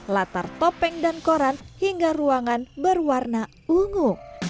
latar topeng dan koran hingga ruangan berwarna ungu